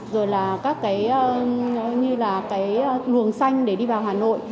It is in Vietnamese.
rồi là các cái luồng xanh để đi vào hà nội